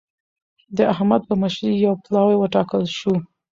د احمد په مشرۍ يو پلاوی وټاکل شو.